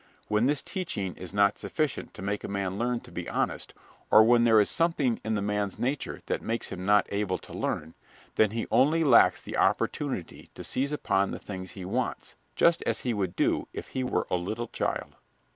When this teaching is not sufficient to make a man learn to be honest, or when there is something in the man's nature that makes him not able to learn, then he only lacks the opportunity to seize upon the things he wants, just as he would do if he were a little child.